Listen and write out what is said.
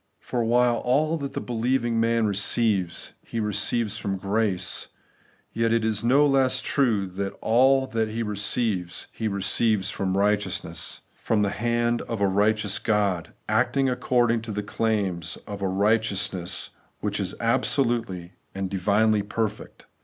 For while aU that the believing man receives, he receives from grace ; yet it is no less true that all that he receives, he receives from RIGHTEOUSNESS ; from the hand of a righteous God, acting according to the claims of a righteousness which is absolutely and divinely perfect.